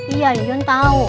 iya yuyun tau